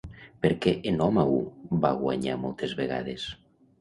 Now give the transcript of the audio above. Per què Enòmau va guanyar moltes vegades?